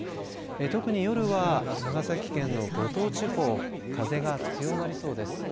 特に、夜は長崎県の五島地方風が強まりそうです。